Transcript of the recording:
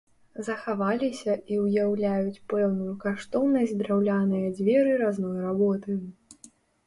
Захаваліся і ўяўляюць пэўную каштоўнасць драўляныя дзверы разной работы.